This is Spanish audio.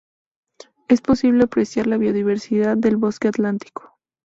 Es posible apreciar la biodiversidad del Bosque Atlántico.